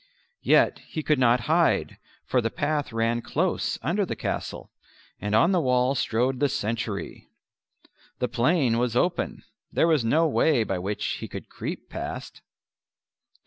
Yet he could not hide, for the path ran close under the castle, and on the wall strode the sentry. The plain was open; there was no way by which he could creep past.